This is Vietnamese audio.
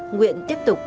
nguyện tiếp tục